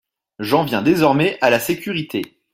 J’en viens désormais à la sécurité.